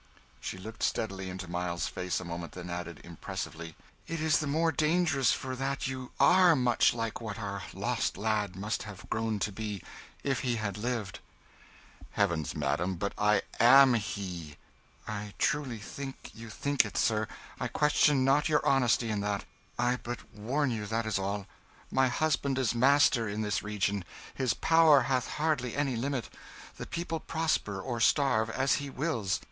She looked steadily into Miles's face a moment, then added, impressively, "It is the more dangerous for that you are much like what our lost lad must have grown to be if he had lived." "Heavens, madam, but I am he!" "I truly think you think it, sir. I question not your honesty in that; I but warn you, that is all. My husband is master in this region; his power hath hardly any limit; the people prosper or starve, as he wills.